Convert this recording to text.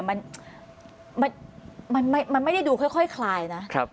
มันไม่ได้ดูค่อยคลายนะ